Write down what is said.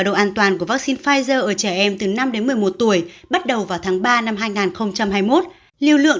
độ an toàn của vaccine pfizer ở trẻ em từ năm đến một mươi một tuổi bắt đầu vào tháng ba năm hai nghìn hai mươi một lưu lượng